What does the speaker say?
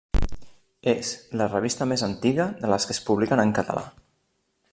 És la revista més antiga de les que es publiquen en català.